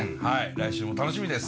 来週も楽しみです。